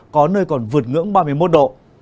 có nơi còn vượt ngưỡng ba mươi một độ